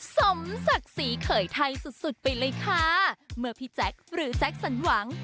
สมศักดิ์ศรีเขยไทยสุดสุดไปเลยค่ะเมื่อพี่แจ๊คหรือแจ็คสันหวัง